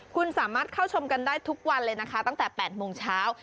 คุณสามารถเข้าชมกันได้ทุกวันเลยนะคะตั้งแต่๘โมงเช้า